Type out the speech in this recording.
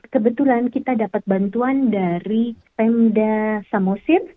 kebetulan kita dapat bantuan dari pemda samosir